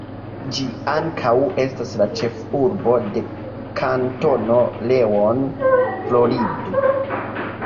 Ĝi ankaŭ estas la ĉefurbo de Kantono Leon, Florido.